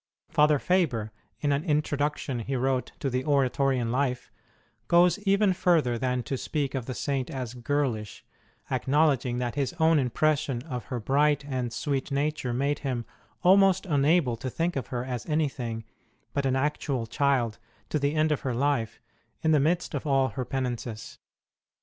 Father Faber, in an Introduction he wrote to the Oratorian Life, goes even further than to speak of the Saint as girlish, acknowledging that his own impression of her bright and sweet nature made him almost unable to think of her as any thing but an actual child to the end of her life, in the midst of all her penances.